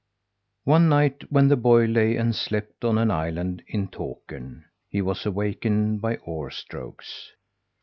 One night when the boy lay and slept on an island in Takern, he was awakened by oar strokes.